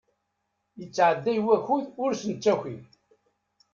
Yettɛedday wakud ur s-nettaki.